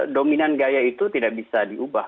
dominan gaya itu tidak bisa diubah